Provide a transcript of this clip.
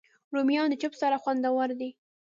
رومیان د چپس سره خوندور دي